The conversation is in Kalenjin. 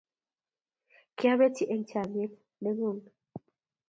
kiabetchi eng' chamiet ne ng'un